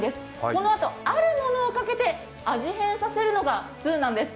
このあと、あるものをかけて味変させるのが通なんです。